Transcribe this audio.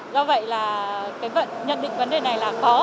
do vậy là nhận định vấn đề này là có